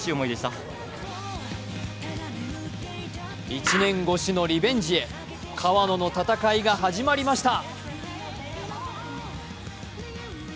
１年越しのリベンジへ川野の戦いが始まりました。